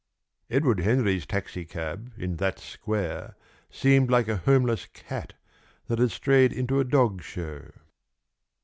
Edward Henry's taxicab in that square seemed like a homeless cat that had strayed into a dog show.